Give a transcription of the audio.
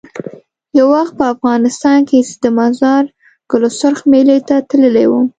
یو وخت په افغانستان کې زه د مزار ګل سرخ میلې ته تللی وم.